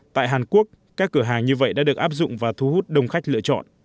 tại hàn quốc các cửa hàng như vậy đã được áp dụng và thu hút đông khách lựa chọn